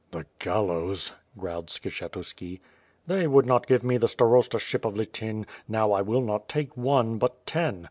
"The gallows/' growled Skshetuski. "They would not give me the starostaship of Lityn, now I will not take one, but ten.